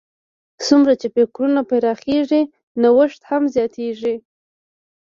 څومره چې فکرونه پراخېږي، نوښت هم زیاتیږي.